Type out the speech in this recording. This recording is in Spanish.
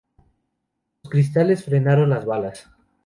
Los cristales frenaron las balas.